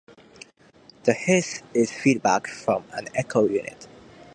The hiss is feedback from an echo unit.